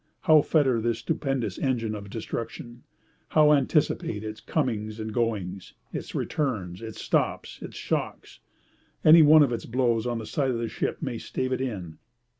How fetter this stupendous engine of destruction? How anticipate its comings and goings, its returns, its stops, its shocks? Any one of its blows on the side of the ship may stave it in.